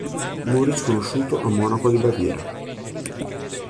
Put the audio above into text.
Morì sconosciuto a Monaco di Baviera.